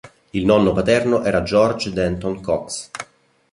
Il nonno paterno era George Denton Cox.